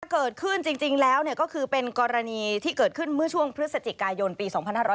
จริงแล้วก็คือเป็นกรณีที่เกิดขึ้นเมื่อช่วงพฤศจิกายนปี๒๕๖๐